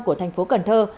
của thành phố cần thơ